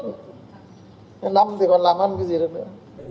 năm thì còn làm anh cái gì được nữa